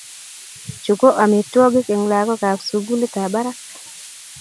Chu ko amitwogik eng lakokap sugulitap barak